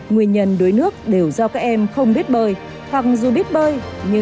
nguyên nhân đuối nước đều do các em không biết bơi hoặc dù biết bơi nhưng